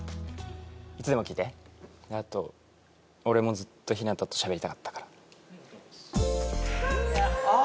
いつでも聞いてあと俺もずっと日向としゃべりたかったからああ